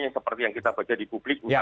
yang seperti yang kita baca di publik